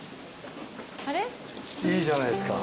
いいじゃないですか。